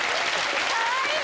かわいい・・